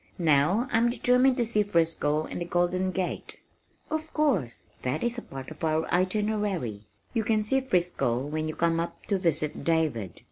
"Now I'm determined to see Frisco and the Golden Gate." "Of course that is a part of our itinerary. You can see Frisco when you come up to visit David."